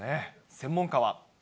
専門家は。